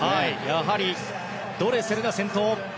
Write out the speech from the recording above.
やはりドレセルが先頭。